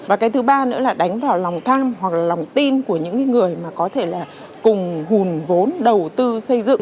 và thứ ba nữa là đánh vào lòng tham hoặc lòng tin của những người có thể cùng hùn vốn đầu tư xây dựng